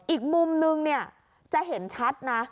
อีกมุมหนึ่งจะเห็นชัด